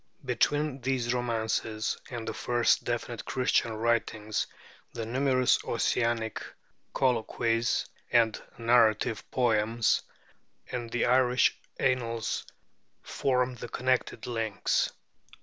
Between these romances and the first definite Christian writings the numerous Ossianic colloquies and narrative poems, and the Irish Annals, form the connecting links.